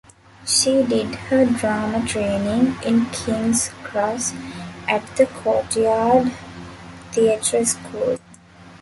She did her drama training in King's Cross, at the Courtyard Theatre School.